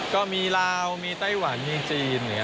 ก็มีลาวมีไต้หวันมีจีน